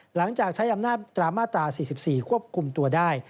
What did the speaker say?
หลังจากใช้อำนาจตรามาตรา๔๔ควบคุมตัวได้